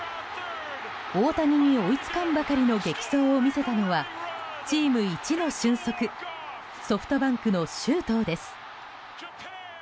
大谷に追いつかんばかりの激走を見せたのはチーム一の俊足ソフトバンクの周東です。